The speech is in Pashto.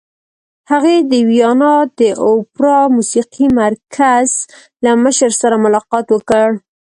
هغې د ویانا د اوپرا موسیقۍ مرکز له مشر سره ملاقات وکړ